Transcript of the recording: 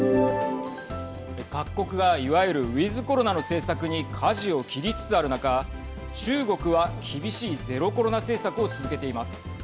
各国がいわゆるウィズコロナの政策にかじを切りつつある中中国は厳しいゼロコロナ政策を続けています。